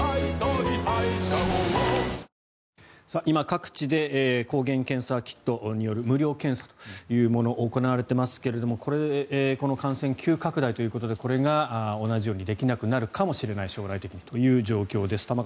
今、各地で抗原検査キットによる無料検査というもの行われていますけれどもこの感染急拡大ということでこれが同じようにできなくなるかもしれない将来的にという状況です。